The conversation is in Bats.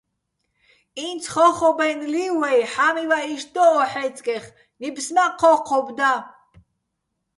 ინც ხო́ხობ-აჲნო̆ ლი́ვ ვაჲ, ჰ̦ა́მივაჸ იშტ დო ო ჰ̦აჲწკეხ, ნიფს მა́ ჴო́ჴობ და.